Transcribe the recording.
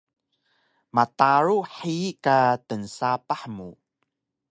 Mataru hiyi ka tnsapah mu